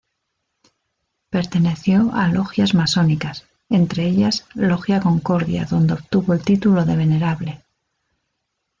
Perteneció a logias masónicas entre ellas Logia Concordia donde obtuvo el título de Venerable.